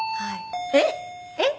えっ？